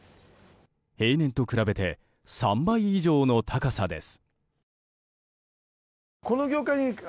平年と比べて３倍以上の高さです。